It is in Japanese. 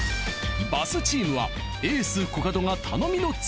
バスチームはエースコカドが頼みの綱。